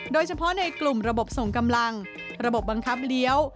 โดยเฉพาะในกลุ่มระบบส่งกำลังระบบบังคับเลี้ยว